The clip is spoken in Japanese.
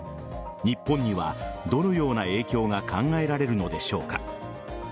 日本にはどのような影響が考えられるのでしょうか。